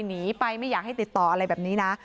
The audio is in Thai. หนีไปไม่อยากให้ติดต่ออะไรแบบนี้นะ